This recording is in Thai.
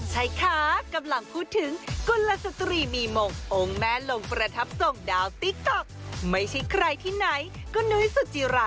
ให้โลกรู้